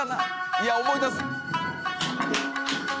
いや思い出す。